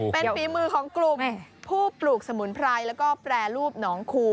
เป็นฝีมือของกลุ่มผู้ปลูกสมุนไพรแล้วก็แปรรูปหนองคู